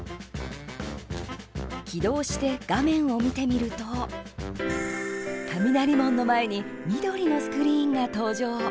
起動して画面を見てみると雷門の前に緑のスクリーンが登場。